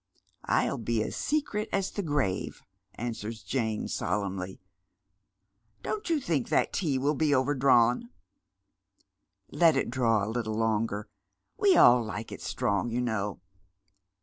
" I'll be as secret as the grave," answers Jane, solemnly. " Don't you think that tea wiU be overdrawn ?"" Let it draw a httle longer. We all like it strong, you know.